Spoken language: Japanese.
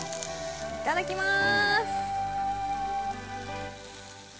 いただきます。